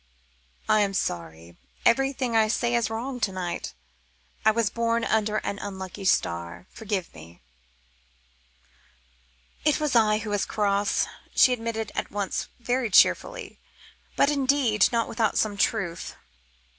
"I am sorry. Everything I say is wrong to night. I was born under an unlucky star. Forgive me." "It was I who was cross," she admitted at once very cheerfully, but, indeed, not without some truth.